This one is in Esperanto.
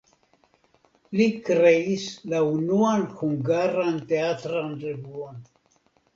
Li kreis la unuan hungaran teatran revuon.